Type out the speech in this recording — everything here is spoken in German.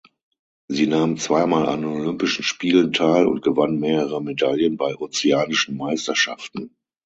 Sie nahm zweimal an Olympischen Spielen teil und gewann mehrere Medaillen bei Ozeanischen Meisterschaften.